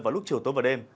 vào lúc chiều tối và đêm